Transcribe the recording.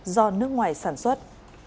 do nước ngoài sản xuất